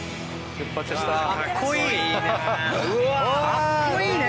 かっこいいね！